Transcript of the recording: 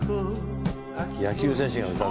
「野球選手が歌う」